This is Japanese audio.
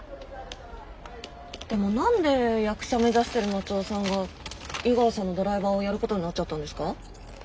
でも何で役者目指してる松尾さんが井川さんのドライバーをやることになっちゃったんですか？